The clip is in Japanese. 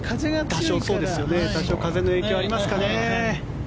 多少風の影響ありますかね。